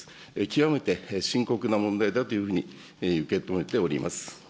極めて深刻な問題だというふうに受け止めております。